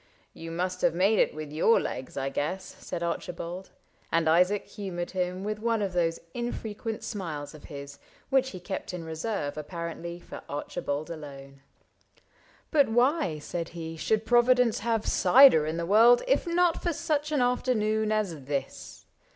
" You must have made it with your legs, I guess," Said Archibald ; and Isaac humored him With one of those infrequent smiles of his Which he kept in reserve, apparently. For Archibald alone. " But why," said he, " Should Providence have cider in the world If not for such an afternoon as this